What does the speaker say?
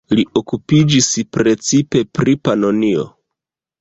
Li okupiĝis precipe pri Panonio.